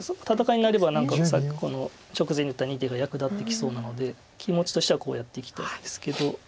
戦いになれば何か直前に打った２手が役立ってきそうなので気持ちとしてはこうやっていきたいですけど。